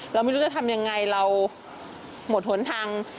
เราไม่รู้จะทำยังไงเราหมดหนทาง